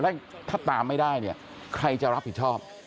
แล้วถ้าตามไม่ได้เนี่ยใครจะรับผิดชอบ